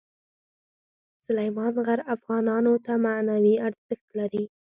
سلیمان غر افغانانو ته معنوي ارزښت لري.